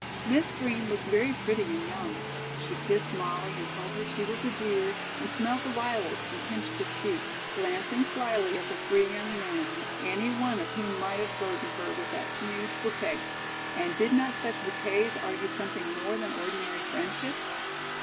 Miss Green looked very pretty and young. She kissed Molly and told her she was a dear, and smelt the violets and pinched her cheek, glancing slyly at the three young men, any one of whom might have burdened her with that huge bouquet. And did not such bouquets argue something more than ordinary friendship?